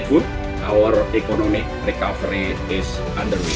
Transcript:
dan penyelamat ekonomi kami berada di bawah ini